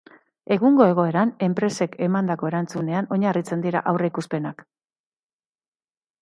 Egungo egoeran enpresek emandako erantzunean oinarritzen dira aurreikuspenak.